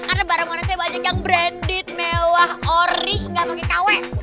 karena barang barang saya banyak yang branded mewah ori enggak pakai kwe